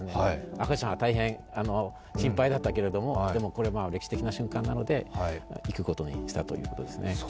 赤ちゃんは大変心配だったけれども、でも歴史的な瞬間なので行くことにしたということですね。